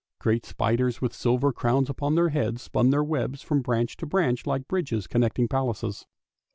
Great spiders with silver crowns upon their heads spun their webs from branch to branch like bridges connecting palaces.